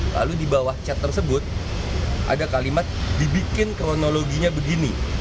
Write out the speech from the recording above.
lalu di bawah chat tersebut ada kalimat dibikin kronologinya begini